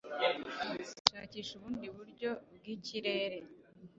Shakisha ubundi buryo bw'ikirere